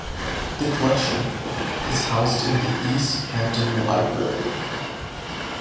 The Collection is housed in the East Hampton Library.